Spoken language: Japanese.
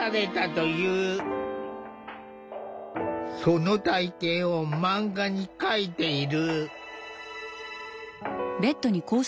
その体験を漫画に描いている。